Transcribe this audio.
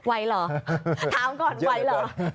ไหวเหรอถามก่อนไวเหรอ